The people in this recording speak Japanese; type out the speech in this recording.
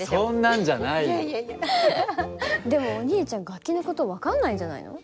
でもお兄ちゃん楽器の事分かんないんじゃないの？